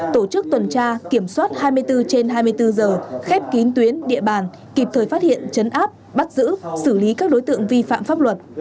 tổ chức tuần tra kiểm soát hai mươi bốn trên hai mươi bốn giờ khép kín tuyến địa bàn kịp thời phát hiện chấn áp bắt giữ xử lý các đối tượng vi phạm pháp luật